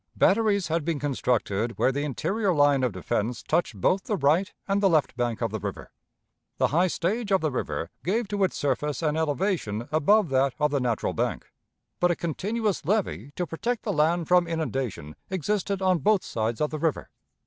Batteries had been constructed where the interior line of defense touched both the right and the left bank of the river. The high stage of the river gave to its surface an elevation above that of the natural bank; but a continuous levee to protect the land from inundation existed on both sides of the river.